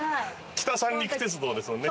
北三陸鉄道ですもんね。